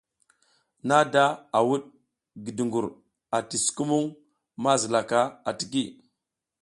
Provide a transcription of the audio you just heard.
Nada a wuɗ ngi dugur ati sukumuŋ ma zila ka atiki.